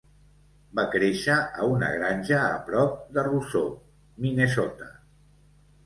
Va créixer a una granja a prop de Roseau, Minnesota.